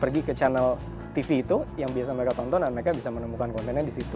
pergi ke channel tv itu yang biasa mereka tonton dan mereka bisa menemukan kontennya di situ